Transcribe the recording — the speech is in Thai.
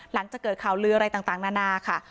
หลังจากเกิดข่าวลืออะไรต่างนานาค่ะ